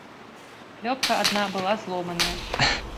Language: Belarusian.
Клёпка адна была зломаная.